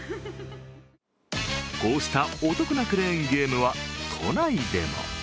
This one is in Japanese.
こうしたお得なクレーンゲームは都内でも。